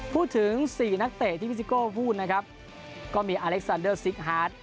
พูดถึง๔นักเตะที่พี่ซิโก้พูดนะครับก็มีอเล็กซานเดอร์ซิกฮาร์ด